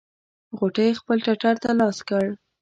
غوټۍ خپل ټټر ته لاس کړ.